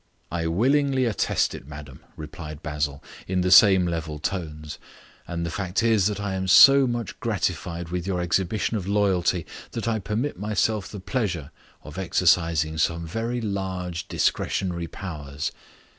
"I willingly attest it, madam," replied Basil, in the same level tones, "and the fact is that I am so much gratified with your exhibition of loyalty that I permit myself the pleasure of exercising some very large discretionary powers.